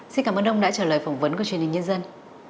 xin cảm ơn ông đã trả lời phỏng vấn của truyền hình nhân dân